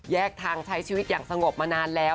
ทางใช้ชีวิตอย่างสงบมานานแล้ว